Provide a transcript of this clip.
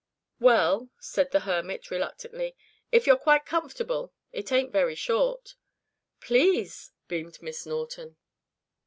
"Well," said the hermit reluctantly, "if you're quite comfortable it ain't very short." "Please," beamed Miss Norton.